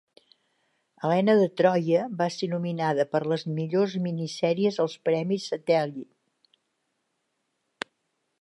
"Helena de Troia" va ser nominada per les millors minisèries als Premis Satellite.